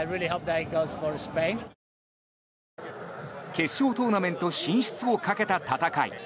決勝トーナメント進出をかけた戦い。